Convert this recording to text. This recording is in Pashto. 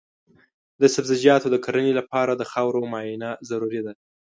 د سبزیجاتو د کرنې لپاره د خاورو معاینه ضروري ده.